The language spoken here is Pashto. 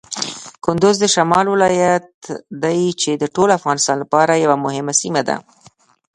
کندز د شمال ولایت دی چې د ټول افغانستان لپاره یوه مهمه سیمه ده.